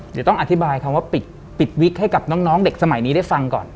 เดี๋ยวต้องอธิบายคำว่าปิดวิกให้กับน้องเด็กสมัยนี้ได้ฟังก่อน